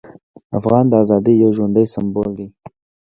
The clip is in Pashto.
افغان د ازادۍ یو ژوندی سمبول دی.